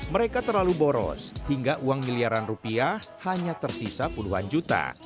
mereka terlalu boros hingga uang miliaran rupiah hanya tersisa puluhan juta